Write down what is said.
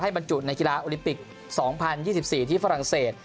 บรรจุในกีฬาโอลิมปิก๒๐๒๔ที่ฝรั่งเศส